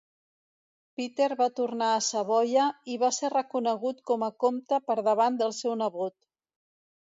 Peter va tornar a Savoia i va ser reconegut com a comte per davant del seu nebot.